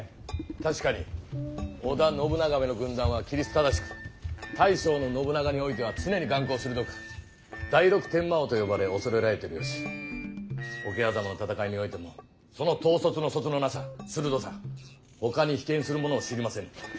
確かに織田信長めの軍団は規律正しく大将の信長においては常に眼光鋭く第六天魔王と呼ばれ恐れられてるよし桶狭間の戦いにおいてもその統率のそつのなさ鋭さほかに比肩する者を知りませぬ。